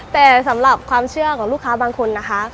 แต่สำหรับความเชื่อของลูกค้าบางคนนะคะ